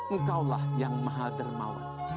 engkaulah yang maha dermawan